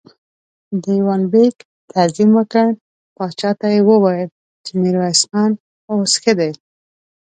دېوان بېګ تعظيم وکړ، پاچا ته يې وويل چې ميرويس خان اوس ښه دی.